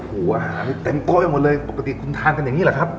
โอ้โหอาหารนี่เต็มโต๊ะไปหมดเลยปกติคุณทานกันอย่างนี้แหละครับ